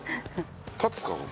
立つかな？